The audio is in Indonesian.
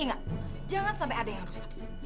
ingat jangan sampai ada yang harus